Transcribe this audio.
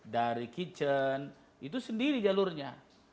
dari kitchen itu sendiri jalurnya